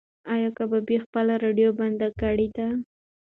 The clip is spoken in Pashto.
ایا کبابي خپله راډیو بنده کړې ده؟